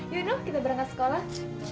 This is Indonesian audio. yuk nuh kita berangkat sekolah